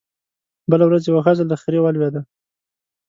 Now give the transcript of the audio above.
بله ورځ يوه ښځه له خرې ولوېده